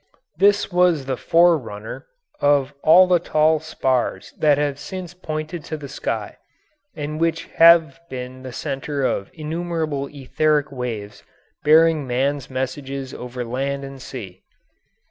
This was the forerunner of all the tall spars that have since pointed to the sky, and which have been the centre of innumerable etheric waves bearing man's messages over land and sea.